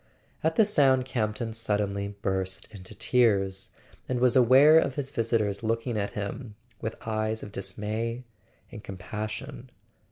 At the sound Campton suddenly burst into tears, and was aware of his visitor's looking at him with eyes of dismay and compassion.